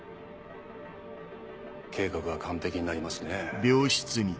計画は完璧になりますね。